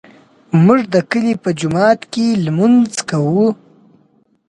موږ د کلي په جومات کې لمونځ کوو